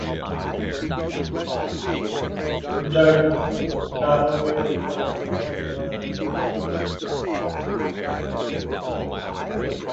The Danube River in the middle empire.